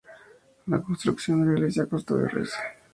La construcción de la iglesia costó Rs.